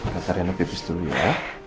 kata rena pipis dulu ya